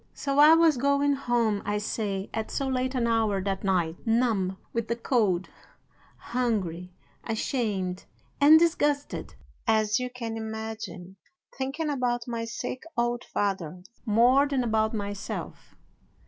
"So I was going home, I say, at so late an hour that night, numb with the cold, hungry, ashamed, and disgusted as you can imagine, thinking about my sick old father more than about myself.